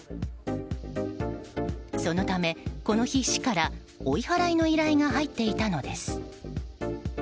そのため、この日市から追い払いの依頼が入っていたのです。